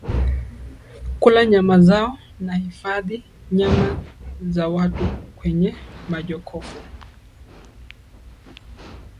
kula nyama zao na kuhifadhi nyama za watu kwenye majokofu